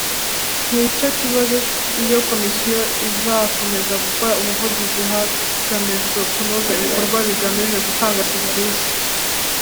ni icyo kibazo Iyo Komisiyo izakomeza gukora ubuvugizi hagamijwe kunoza ibikorwa bigamije gutanga serivisi